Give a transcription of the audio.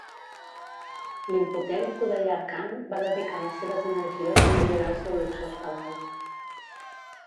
L'impotent Khudayar Khan va dedicar les seves energies a millorar el seu luxós palau.